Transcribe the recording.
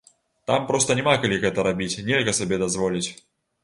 Там проста няма калі гэта рабіць, нельга сабе дазволіць.